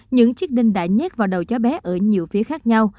những chiếc đinh đã nhét vào đầu cháu bé ở nhiều phía khác nhau